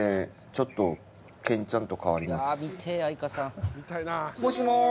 ちょっと研ちゃんと代わります。